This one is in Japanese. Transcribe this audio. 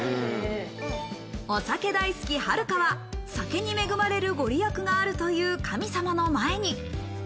お酒大好きはるかは酒に恵まれるご利益があるという神様の前に。